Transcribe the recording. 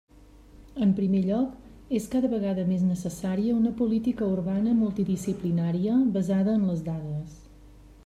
En primer lloc, és cada vegada més necessària una política urbana multidisciplinària basada en les dades.